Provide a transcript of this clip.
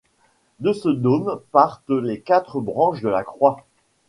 De ce dôme partent les quatre branches de la croix.